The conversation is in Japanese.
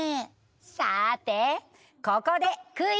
さてここでクイズ。